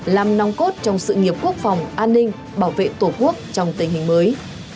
làm nòng cốt trong sự nghiệp quốc phòng an ninh bảo vệ tổ quốc trong tình hình mới